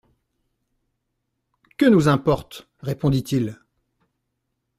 Que nous importe ? répondit-il.